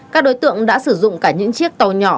các đối tượng đã sử dụng cả những chiếc tàu nhỏ